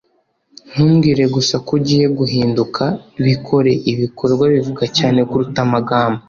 “ntumbwire gusa ko ugiye guhinduka. bikore! ibikorwa bivuga cyane kuruta amagambo. ”